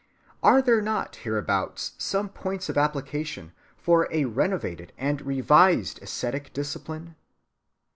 Are there not hereabouts some points of application for a renovated and revised ascetic discipline?